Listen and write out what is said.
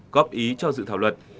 góp ý cho dự thảo luận